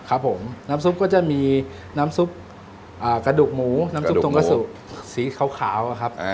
ครับผมน้ำซุปก็จะมีน้ำซุปกระดูกหมูน้ำซุปตรงกระสุสีขาวครับ